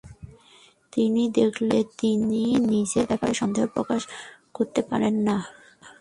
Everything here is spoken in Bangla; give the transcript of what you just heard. তিনি দেখলেন যে, তিনি নিজের ব্যাপারে সন্দেহ প্রকাশ করতে পারেন না।